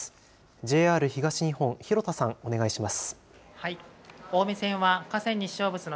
ＪＲ東日本、弘田さん、お願いします。